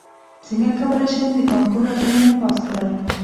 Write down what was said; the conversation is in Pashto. څنګه کولی شم د کانکور ازموینه پاس کړم